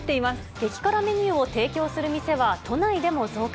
激辛メニューを提供する店は都内でも増加。